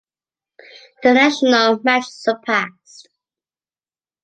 International match surpassed.